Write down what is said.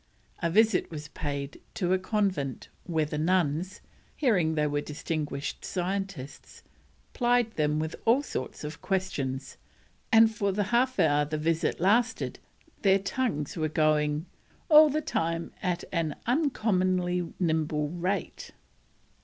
A visit was paid to a convent, where the nuns, hearing they were distinguished scientists, plied them with all sorts of questions, and for the half hour the visit lasted their tongues were going "all the time at an uncommonly nimble rate."